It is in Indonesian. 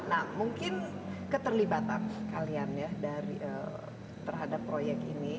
nah mungkin keterlibatan kalian ya terhadap proyek ini